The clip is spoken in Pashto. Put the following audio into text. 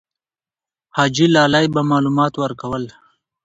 حاجي لالی به معلومات ورکول.